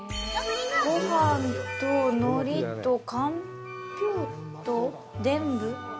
ごはんと、のりと、かんぴょうと、でんぶ？